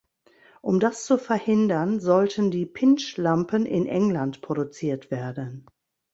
Um das zu verhindern, sollten die Pintsch-Lampen in England produziert werden.